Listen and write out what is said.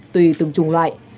tùy từng trùng loại